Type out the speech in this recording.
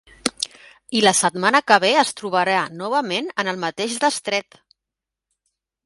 I la setmana que ve es trobarà novament en el mateix destret!